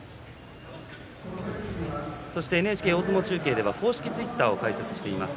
ＮＨＫ大相撲中継では公式ツイッターを開設しています。